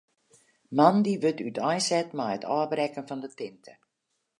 Moandei wurdt úteinset mei it ôfbrekken fan de tinte.